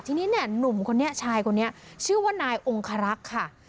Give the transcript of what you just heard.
ทีนี้เนี่ยหนุ่มคนนี้ชายคนนี้ชื่อว่านายองคารักษ์ค่ะ